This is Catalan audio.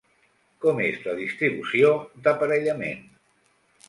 Com és la distribució d'aparellament?